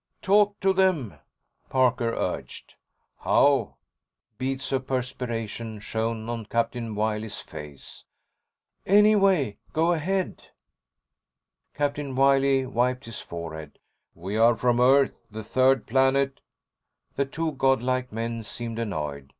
"Talk to them," Parker urged. "How?" Beads of perspiration shone on Captain Wiley's face. "Any way. Go ahead." Captain Wiley wiped his forehead. "We are from Earth, the third planet...." The two god like men seemed annoyed.